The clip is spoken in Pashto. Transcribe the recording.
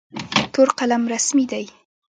تور قلم رسمي دی.